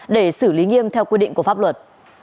để xử lý nghiêm theo quy định của pháp luật